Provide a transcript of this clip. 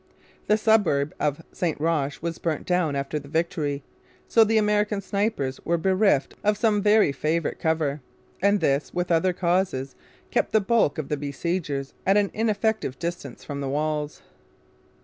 The suburb of St Roch was burnt down after the victory; so the American snipers were bereft of some very favourite cover, and this, with other causes, kept the bulk of the besiegers at an ineffective distance from the walls.